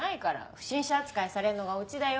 不審者扱いされるのがオチだよ。